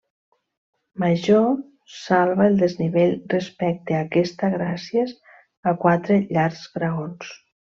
Major salva el desnivell respecte a aquesta gràcies a quatre llargs graons.